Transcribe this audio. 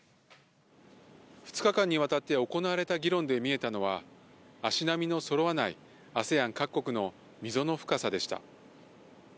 ２日間にわたって行われた議論で見えたのは、足並みのそろわないＡＳＥＡＮ各国の溝の深さでした。